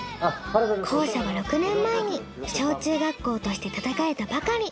校舎は６年前に小中学校として建て替えたばかり。